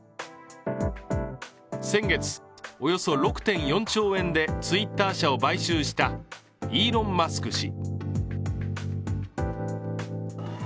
先月、およそ６．４兆円でツイッター社を買収したイーロン・マスク氏。